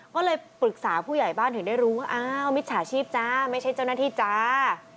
ก็เลยปรึกษาผู้ใหญ่บ้านถึงได้รู้ว่าอ้าวมิจฉาชีพจ้าไม่ใช่เจ้าหน้าที่จ้า